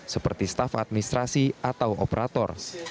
seperti staf administrasi atau operator